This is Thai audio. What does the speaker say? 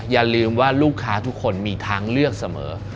อย่าลืมว่าลูกค้าทุกคนมีทางเลือกเสมอ